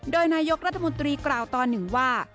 โดยนายกรัฐมนตรีกล่าวตอนหนึ่งว่า